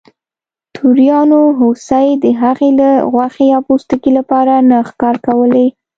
توریانو هوسۍ د هغې له غوښې یا پوستکي لپاره نه ښکار کولې.